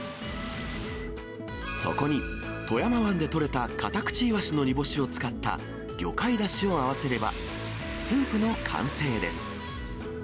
そこに、富山湾で取れたカタクチイワシの煮干しを使った魚介だしを合わせれば、スープの完成です。